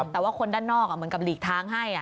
แต่ว่าคนด้านนอกเหมือนกับหลีกทางให้